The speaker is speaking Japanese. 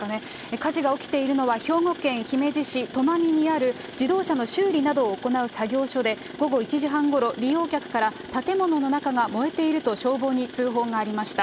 火事が起きているのは兵庫県姫路市となみにある自動車の修理などを行う作業所で、午後１時半ごろ、利用客から、建物の中が燃えていると消防に通報がありました。